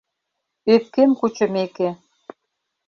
Öпкем кучымеке